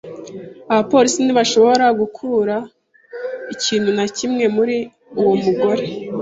Abapolisi ntibashoboye gukura ikintu na kimwe muri uwo mugore.